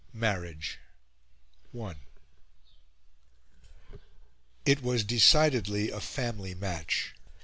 MARRIAGE I It was decidedly a family match.